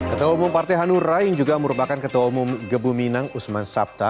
ketua umum partai hanura yang juga merupakan ketua umum gebu minang usman sabta